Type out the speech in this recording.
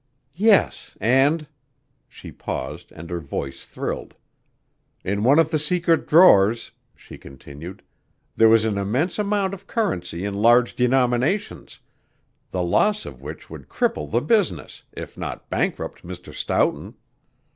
"Yes, and " She paused and her voice thrilled. "In one of the secret drawers," she continued, "there was an immense amount of currency in large denominations, the loss of which would cripple the business, if not bankrupt Mr. Stoughton.